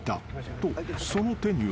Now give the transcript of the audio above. とその手には］